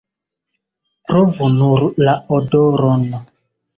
Provu nur la odoron!